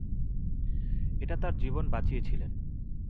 এটা তার জীবন বাঁচিয়েছিল।